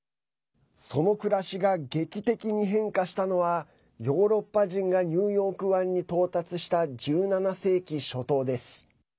その暮らしが劇的に変化したのはヨーロッパ人がニューヨーク湾に到達した１７世紀初頭です。